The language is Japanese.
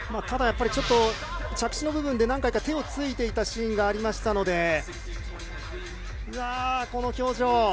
ただ、やっぱりちょっと着地の部分で何回か手をついていたシーンがありましたので。